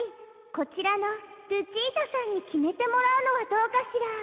こちらのルチータさんにきめてもらうのはどうかしら？